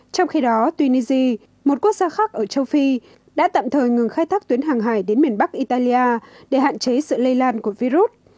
trong khi đó tunisia một quốc gia khác ở châu phi đã tạm thời ngừng khai thác tuyến hàng hải đến miền bắc italia để hạn chế sự lây lan của virus